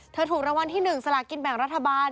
ถูกรางวัลที่๑สลากินแบ่งรัฐบาล